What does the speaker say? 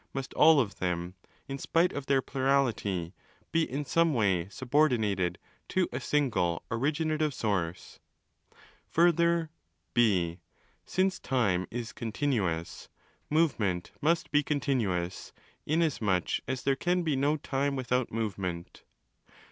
must all of them, in spite of their plurality, be in some way subordinated . to a single 'originative source'. Further (4) since time is continuous, movement must be continuous, inasmuch as there can be no time without movement.